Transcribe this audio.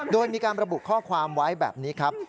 โดยมีการระบุข้อความไว้แบบนี้ครับ